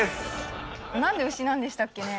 何で牛なんでしたっけね？